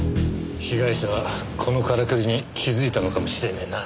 被害者はこのからくりに気づいたのかもしれねえな。